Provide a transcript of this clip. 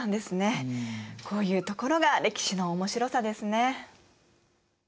こういうところが歴史の面白さですね。